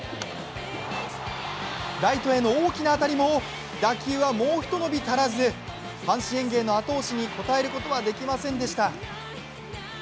ライトへの大きな当たりも打球はもうひと伸び足らず阪神園芸の後押しに応えることはできませんでした。